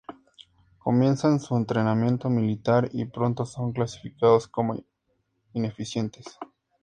Comienzan su entrenamiento militar, y pronto son clasificados como "ineficientes".